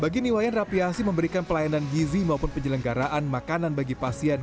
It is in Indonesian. bagi niwayan rapiasi memberikan pelayanan gizi maupun penyelenggaraan makanan bagi pasien